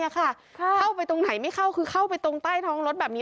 เข้าไปตรงไหนไม่เข้าคือเข้าไปตรงใต้ท้องรถแบบนี้